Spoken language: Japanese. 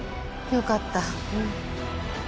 よかった。